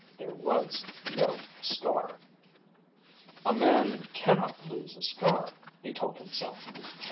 There was no scar! A man cannot lose a scar, he told himself.